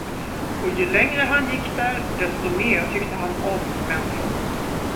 Och ju längre han gick där, desto mer tyckte han om människorna.